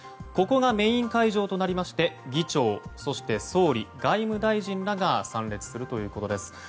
ここがメイン会場となりまして議長、そして総理、外務大臣らが参列するということです。